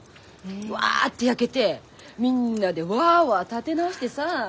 ワアッて焼けてみんなでワアワア建て直してさ。